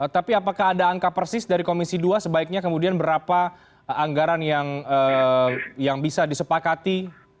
tapi apakah ada angka persis dari komisi dua sebaiknya kemudian berapa anggaran yang bisa disepakati